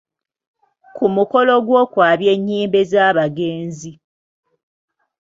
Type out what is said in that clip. Ku mukolo gw'okwabya ennyimbe z'abagenzi